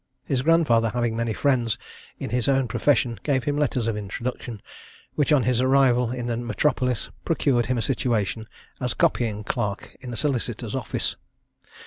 His grandfather, having many friends in his own profession, gave him letters of introduction, which, on his arrival in the metropolis, procured him a situation as copying clerk in a solicitor's office.